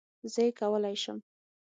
زه یې کولای شم